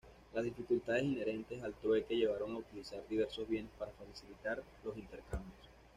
Las dificultades inherentes al trueque llevaron a utilizar diversos bienes para facilitar los intercambios.